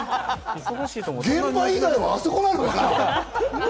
現場以外はあそこなのかな？